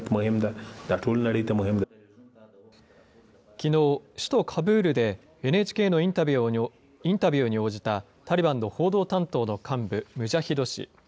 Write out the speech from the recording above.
きのう、首都カブールでＮＨＫのインタビューに応じた、タリバンの報道担当の幹部、ムジャヒド氏。